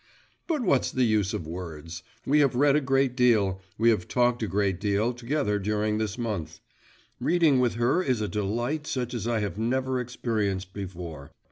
… But what's the use of words! We have read a great deal, we have talked a great deal together during this month. Reading with her is a delight such as I had never experienced before.